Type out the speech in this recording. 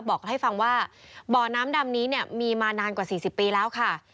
บอกให้ฟังว่าบ่อน้ำดำนี้เนี่ยมีมานานกว่า๔๐ปีแล้วค่ะ